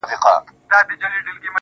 • پر ټول جهان دا ټپه پورته ښه ده.